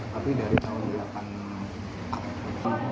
tapi dari tahun delapan puluh an